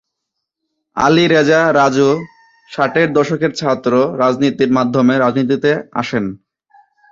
আলী রেজা রাজু ষাটের দশকে ছাত্র রাজনীতির মাধ্যমে রাজনীতিতে আসেন।